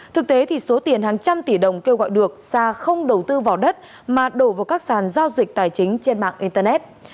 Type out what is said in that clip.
thực tế thì số tiền hàng trăm tỷ đồng kêu gọi được sa không đầu tư vào đất mà đổ vào các sàn giao dịch tài chính trên mạng internet